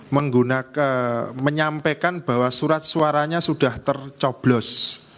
menyampaikan bahwa surat suaranya sudah tercoblos